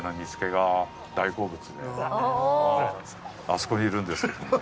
あそこにいるんですけどね。